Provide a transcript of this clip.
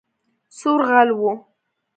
سور غل وو